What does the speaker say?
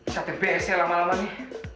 catet bsnya lama lama nih